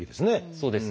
そうですね。